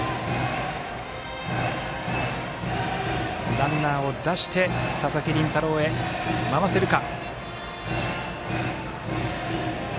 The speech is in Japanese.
ランナーを出して佐々木麟太郎に回せるか。